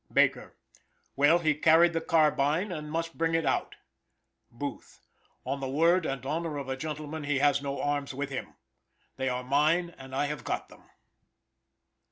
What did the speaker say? Baker "Well, he carried the carbine, and must bring it out." Booth "On the word and honor of a gentleman, he has no arms with him. They are mine, and I have got them."